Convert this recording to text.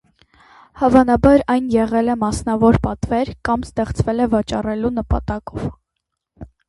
Հավանաբար այն եղել է մասնավոր պատվեր կամ ստեղծվել է վաճառելու նպատակով։